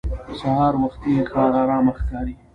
سهار وختي ښار ارام ښکاري